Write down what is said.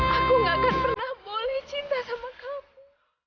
aku gak akan pernah boleh cinta sama kamu